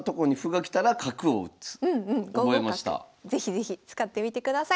是非是非使ってみてください。